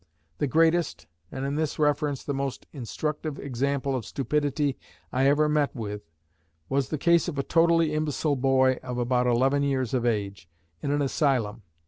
The greatest, and, in this reference, the most instructive example of stupidity I ever met with, was the case of a totally imbecile boy of about eleven years of age, in an asylum.